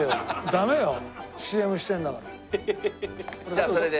じゃあそれで。